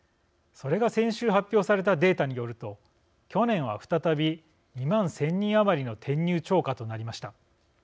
それが先週発表されたデータによると、去年は再び２万１０００人余りの転入超過となりました。